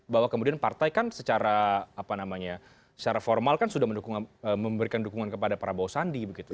bahwa kemudian partai kan secara formal kan sudah memberikan dukungan kepada para bau sandi